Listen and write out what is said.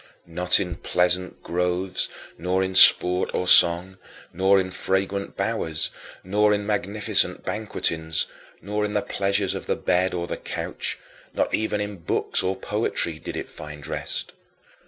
Not in pleasant groves, nor in sport or song, nor in fragrant bowers, nor in magnificent banquetings, nor in the pleasures of the bed or the couch; not even in books or poetry did it find rest.